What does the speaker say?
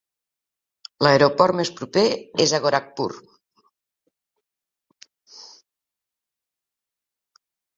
L'aeroport més proper és a Gorakhpur.